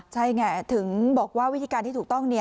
ใช่ไงถึงบอกว่าวิธีการที่ถูกต้อง